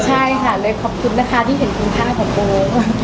ใช่ค่ะเลยขอบคุณนะคะที่เห็นคุณค่าของโบ